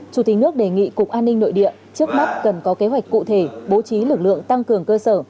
chủ tịch nước đề nghị cục an ninh nội địa trước mắt cần có kế hoạch cụ thể bố trí lực lượng tăng cường cơ sở